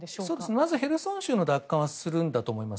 まずヘルソン州の奪還はするんだと思います。